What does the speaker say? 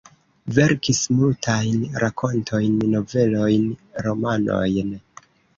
Verkis multajn rakontojn, novelojn, romanojn.